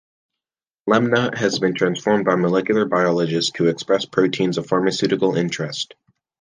"Lemna" has been transformed by molecular biologists to express proteins of pharmaceutical interest.